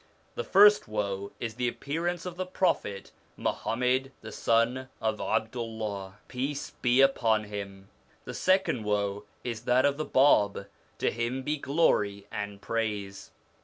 The first woe is the appearance of the Prophet, Muhammad the son of 'Abd u'llah peace be upon him ! The second woe is that of the Bab to him be glory and praise